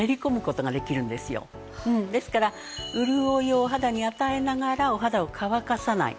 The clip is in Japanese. ですから潤いをお肌に与えながらお肌を乾かさない。